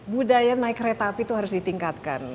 budaya naik kereta api itu harus ditingkatkan